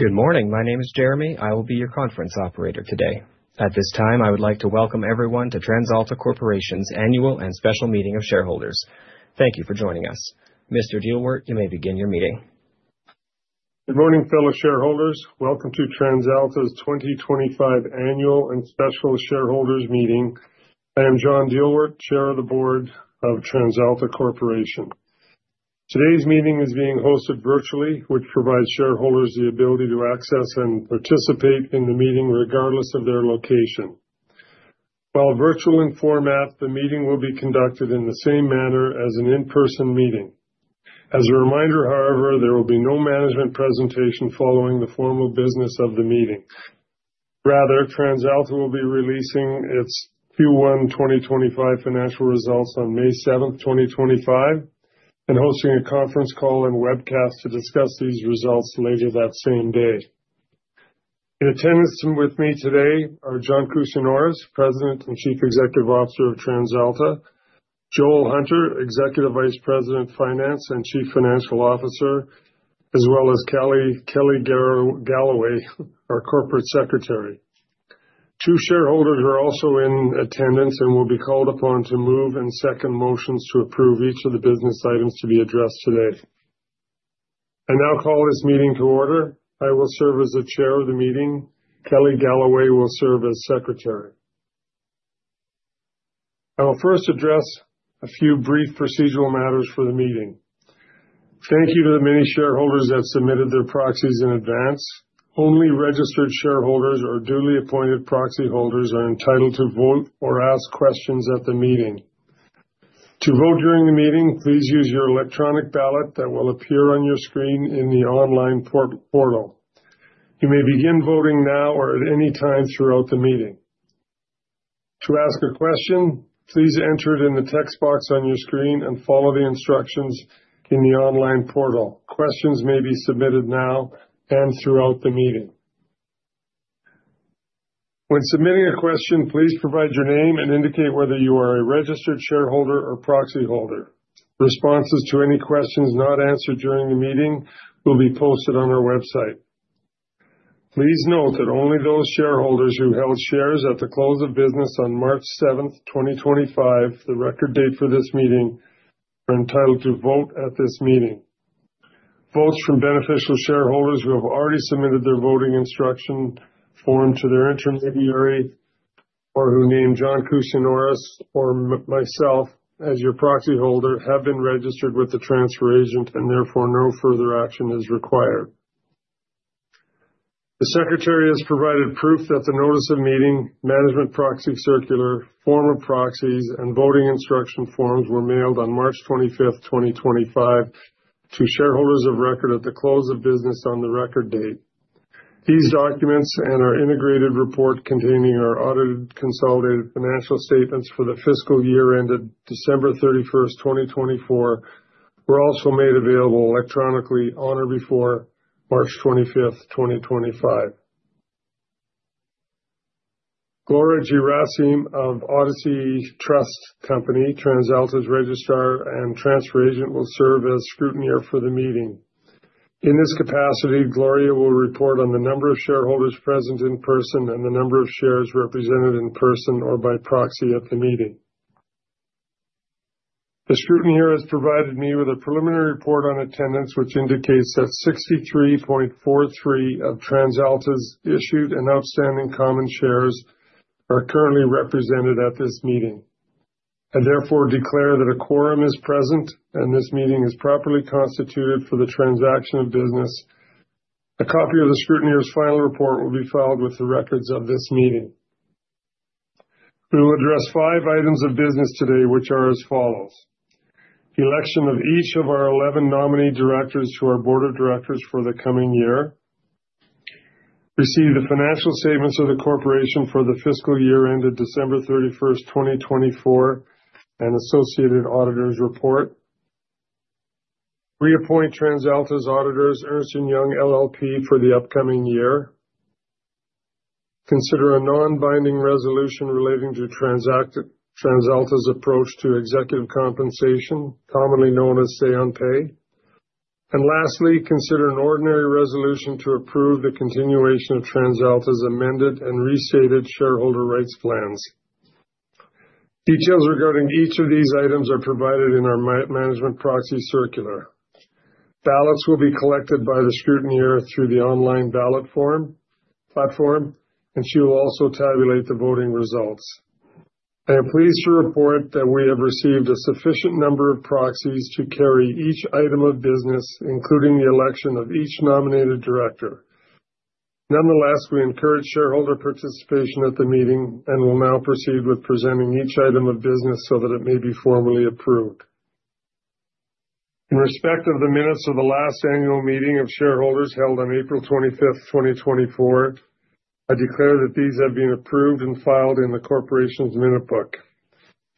Good morning. My name is Jeremy. I will be your conference operator today. At this time, I would like to welcome everyone to TransAlta Corporation's Annual and Special Meeting of Shareholders. Thank you for joining us. Mr. Dielwart, you may begin your meeting. Good morning, fellow shareholders. Welcome to TransAlta's 2025 Annual and Special Shareholders Meeting. I am John Dielwart, Chair of the Board of TransAlta Corporation. Today's meeting is being hosted virtually, which provides shareholders the ability to access and participate in the meeting, regardless of their location. While virtual in format, the meeting will be conducted in the same manner as an in-person meeting. As a reminder, however, there will be no management presentation following the formal business of the meeting. Rather, TransAlta will be releasing its Q1 2025 financial results on May 7th, 2025, and hosting a conference call and webcast to discuss these results later that same day. In attendance with me today are John Kousinioris, President and Chief Executive Officer of TransAlta, Joel Hunter, Executive Vice President, Finance and Chief Financial Officer, as well as Kelly Galloway, our Corporate Secretary. Two shareholders are also in attendance and will be called upon to move and second motions to approve each of the business items to be addressed today. I now call this meeting to order. I will serve as the Chair of the meeting. Kelly Galloway will serve as Secretary. I will first address a few brief procedural matters for the meeting. Thank you to the many shareholders that submitted their proxies in advance. Only registered shareholders or duly appointed proxy holders are entitled to vote or ask questions at the meeting. To vote during the meeting, please use your electronic ballot that will appear on your screen in the online portal. You may begin voting now or at any time throughout the meeting. To ask a question, please enter it in the text box on your screen and follow the instructions in the online portal. Questions may be submitted now and throughout the meeting. When submitting a question, please provide your name and indicate whether you are a registered shareholder or proxy holder. Responses to any questions not answered during the meeting will be posted on our website. Please note that only those shareholders who held shares at the close of business on March 7th, 2025, the record date for this meeting, are entitled to vote at this meeting. Votes from beneficial shareholders who have already submitted their voting instruction form to their intermediary or who named John Kousinioris or myself as your proxy holder have been registered with the transfer agent and therefore no further action is required. The Secretary has provided proof that the notice of meeting, management proxy circular, form of proxies, and voting instruction forms were mailed on March 25th, 2025, to shareholders of record at the close of business on the record date. These documents and our integrated report containing our audited consolidated financial statements for the fiscal year ended December 31st, 2024, were also made available electronically on or before March 25th, 2025. Gloria Gherasim of Odyssey Trust Company, TransAlta's registrar and transfer agent, will serve as scrutineer for the meeting. In this capacity, Gloria will report on the number of shareholders present in person and the number of shares represented in person or by proxy at the meeting. The scrutineer has provided me with a preliminary report on attendance, which indicates that 63.43% of TransAlta's issued and outstanding common shares are currently represented at this meeting. I therefore declare that a quorum is present and this meeting is properly constituted for the transaction of business. A copy of the scrutineer's final report will be filed with the records of this meeting. We will address five items of business today, which are as follows. The election of each of our 11 nominee directors to our Board of Directors for the coming year. Receive the financial statements of the Corporation for the fiscal year ended December 31st, 2024, and associated Auditor's Report. Reappoint TransAlta's auditors, Ernst & Young LLP, for the upcoming year. Consider a non-binding resolution relating to TransAlta's approach to executive compensation, commonly known as say on pay. Lastly, consider an ordinary resolution to approve the continuation of TransAlta's amended and restated shareholder rights plans. Details regarding each of these items are provided in our Management Proxy Circular. Ballots will be collected by the Scrutineer through the online ballot platform, and she will also tabulate the voting results. I am pleased to report that we have received a sufficient number of proxies to carry each item of business, including the election of each nominated director. Nonetheless, we encourage shareholder participation at the meeting and will now proceed with presenting each item of business so that it may be formally approved. In respect of the minutes of the last annual meeting of shareholders held on April 25th, 2024, I declare that these have been approved and filed in the Corporation's minute book.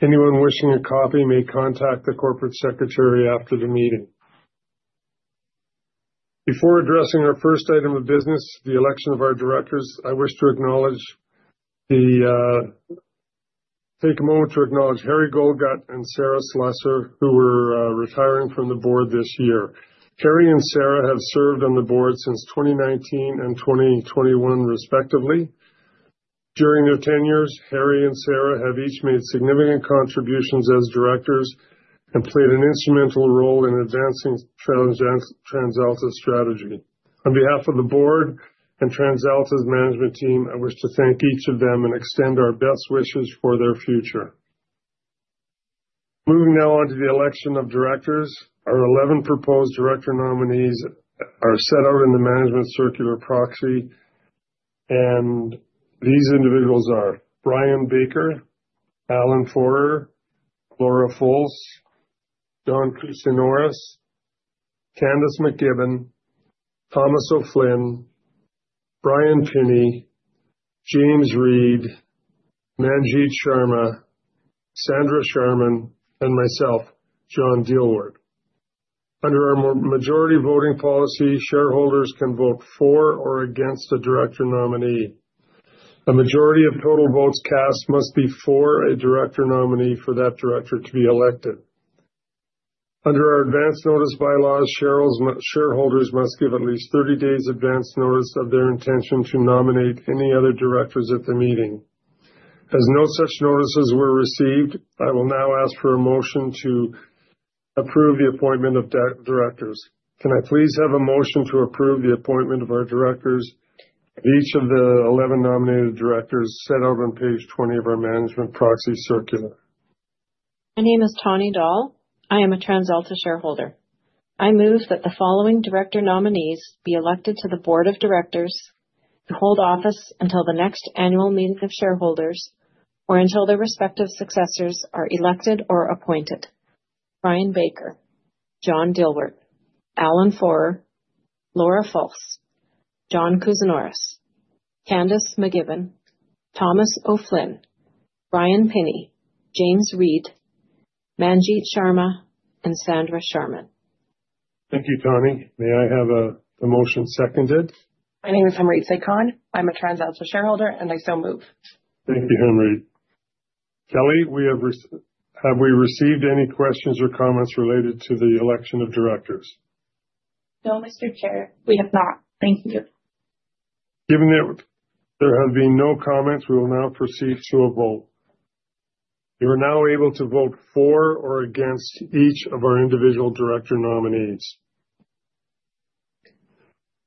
Anyone wishing a copy may contact the Corporate Secretary after the meeting. Before addressing our first item of business, the election of our directors, I wish to take a moment to acknowledge Harry Goldgut and Sarah Slusser, who are retiring from the Board this year. Harry and Sarah have served on the Board since 2019 and 2021, respectively. During their tenures, Harry and Sarah have each made significant contributions as Directors and played an instrumental role in advancing TransAlta's strategy. On behalf of the Board and TransAlta's Management Team, I wish to thank each of them and extend our best wishes for their future. Moving now on to the election of Directors. Our 11 proposed Director nominees are set out in the Management Circular Proxy, and these individuals are Brian Baker, Alan Fohrer, Laura W. Folse, John Kousinioris, Candace MacGibbon, Thomas M. O'Flynn, Bryan D. Pinney, James Reid, Manjit K. Sharma, Dawn Farrell, and myself, John Dielwart. Under our majority voting policy, shareholders can vote for or against a Director nominee. A majority of total votes cast must be for a Director nominee for that Director to be elected. Under our advanced notice bylaws, shareholders must give at least 30 days advance notice of their intention to nominate any other directors at the meeting. As no such notices were received, I will now ask for a motion to approve the appointment of directors. Can I please have a motion to approve the appointment of our directors, each of the 11 nominated directors set out on page 20 of our Management Proxy Circular? My name is Tawnie Dahl. I am a TransAlta shareholder. I move that the following Director nominees be elected to the Board of Directors and hold office until the next Annual Meeting of Shareholders, or until their respective successors are elected or appointed. Brian Baker, John Dielwart, Alan Fohrer, Laura W. Folse, John Kousinioris, Candace MacGibbon, Thomas M. O'Flynn, Bryan D. Pinney, James Reid, Manjit K. Sharma, and Dawn Farrell. Thank you, Tawnie. May I have the motion seconded? My name is Humry Saikhon. I'm a TransAlta shareholder, and I so move. Thank you, Humry. Kelly, have we received any questions or comments related to the election of directors? No, Mr. Chair, we have not. Thank you. Given that there have been no comments, we will now proceed to a vote. You are now able to vote for or against each of our individual director nominees.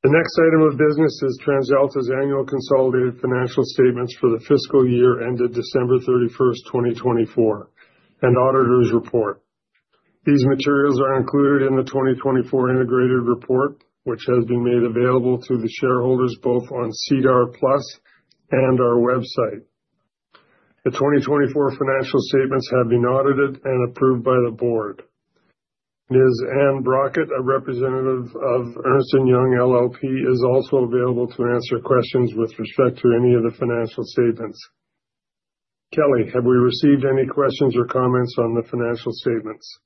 The next item of business is TransAlta's annual consolidated financial statements for the fiscal year ended December 31st, 2024, and auditors' report. These materials are included in the 2024 integrated report, which has been made available to the shareholders both on SEDAR+ and our website. The 2024 financial statements have been audited and approved by the Board. Ms. Ann Brockett, a representative of Ernst & Young LLP, is also available to answer questions with respect to any of the financial statements. Kelly, have we received any questions or comments on the financial statements?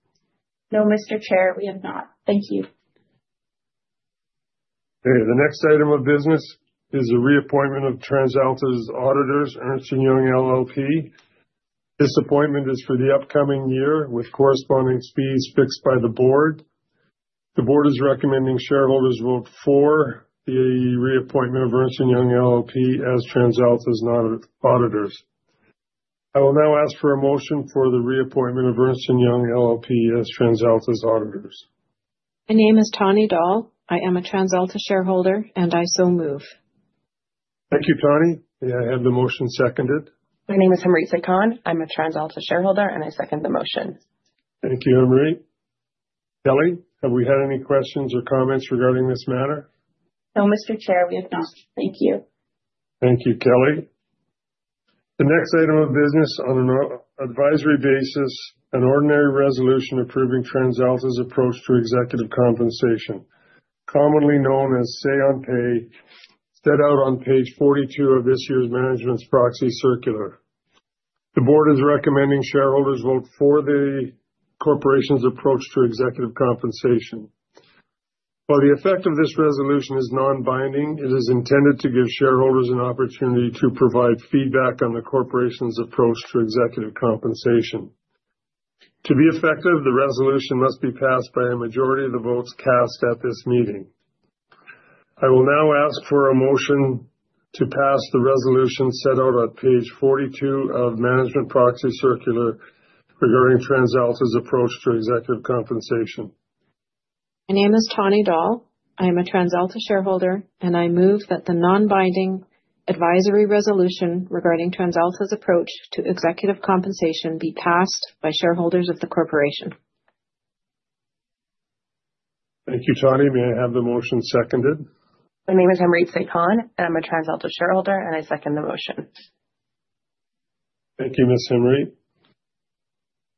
No, Mr. Chair, we have not. Thank you. Okay. The next item of business is the reappointment of TransAlta's auditors, Ernst & Young LLP. This appointment is for the upcoming year, with corresponding fees fixed by the Board. The Board is recommending shareholders vote for the reappointment of Ernst & Young LLP as TransAlta's auditors. I will now ask for a motion for the reappointment of Ernst & Young LLP as TransAlta's auditors. My name is Tawnie Dahl. I am a TransAlta shareholder, and I so move. Thank you, Tawnie. May I have the motion seconded? My name is Humry Saikhon. I'm a TransAlta Shareholder, and I second the motion. Thank you, Humry. Kelly, have we had any questions or comments regarding this matter? No, Mr. Chair, we have not. Thank you. Thank you, Kelly. The next item of business, on an advisory basis, an ordinary resolution approving TransAlta's approach to executive compensation, commonly known as say on pay, set out on page 42 of this year's Management's Proxy Circular. The Board is recommending shareholders vote for the Corporation's approach to executive compensation. While the effect of this resolution is non-binding, it is intended to give shareholders an opportunity to provide feedback on the Corporation's approach to executive compensation. To be effective, the resolution must be passed by a majority of the votes cast at this meeting. I will now ask for a motion to pass the resolution set out on page 42 of the Management Proxy Circular regarding TransAlta's approach to executive compensation. My name is Tawnie Dahl. I am a TransAlta shareholder, and I move that the non-binding advisory resolution regarding TransAlta's approach to executive compensation be passed by shareholders of the corporation. Thank you, Tawnie. May I have the motion seconded? My name is Humry Saikhon, and I'm a TransAlta shareholder, and I second the motion. Thank you, Ms. Humry.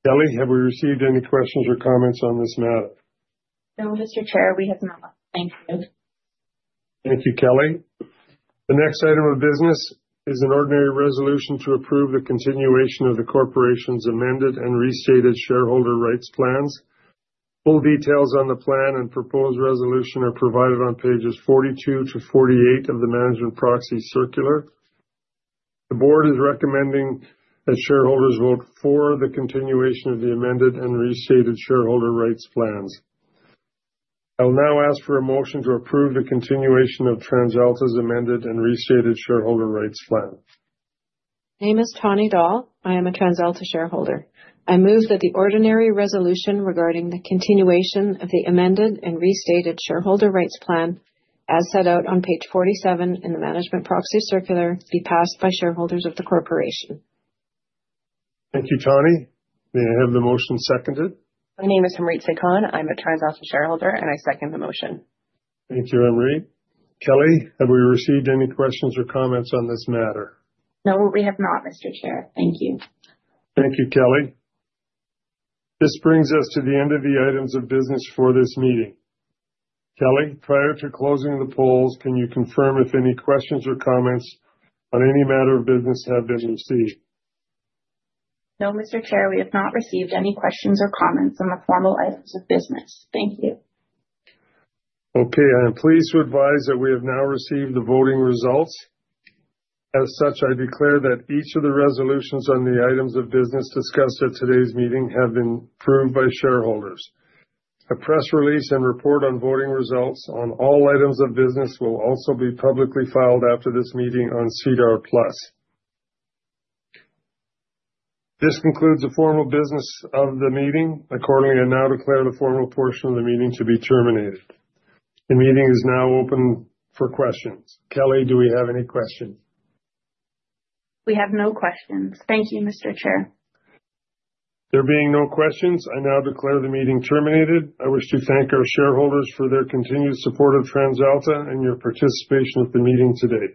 Kelly, have we received any questions or comments on this matter? No, Mr. Chair, we have not. Thank you. Thank you, Kelly. The next item of business is an ordinary resolution to approve the continuation of the Corporation's amended and restated Shareholder Rights Plans. Full details on the plan and proposed resolution are provided on pages 42-48 of the Management Proxy Circular. The Board is recommending that shareholders vote for the continuation of the amended and restated Shareholder Rights Plans. I will now ask for a motion to approve the continuation of TransAlta's amended and restated Shareholder Rights Plan. My name is Tawnie Dahl. I am a TransAlta shareholder. I move that the ordinary resolution regarding the continuation of the amended and restated shareholder rights plan, as set out on page 47 in the management proxy circular, be passed by shareholders of the corporation. Thank you, Tawnie. May I have the motion seconded? My name is Humry Saikhon. I'm a TransAlta shareholder, and I second the motion. Thank you, Henriette. Kelly, have we received any questions or comments on this matter? No, we have not, Mr. Chair. Thank you. Thank you, Kelly. This brings us to the end of the items of business for this meeting. Kelly, prior to closing the polls, can you confirm if any questions or comments on any matter of business have been received? No, Mr. Chair, we have not received any questions or comments on the formal items of business. Thank you. Okay. I am pleased to advise that we have now received the voting results. As such, I declare that each of the resolutions on the items of business discussed at today's meeting have been approved by shareholders. A press release and report on voting results on all items of business will also be publicly filed after this meeting on SEDAR+. This concludes the formal business of the meeting. Accordingly, I now declare the formal portion of the meeting to be terminated. The meeting is now open for questions. Kelly, do we have any questions? We have no questions. Thank you, Mr. Chair. There being no questions, I now declare the meeting terminated. I wish to thank our shareholders for their continued support of TransAlta and your participation at the meeting today.